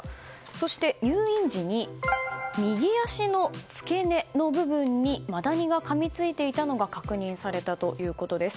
そして、入院時に右足の付け根の部分にマダニがかみついていたのが確認されたということです。